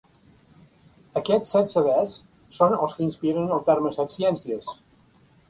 Aquests set sabers són els que inspiren el terme "setciències".